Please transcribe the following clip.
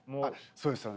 そうですよ